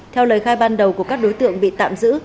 theo lời khai ban đầu của các đối tượng bị tạm giữ